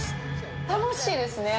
楽しいですね。